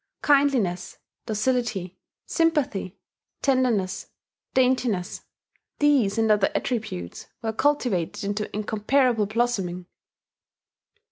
Kindliness, docility, sympathy, tenderness, daintiness these and other attributes were cultivated into incomparable blossoming.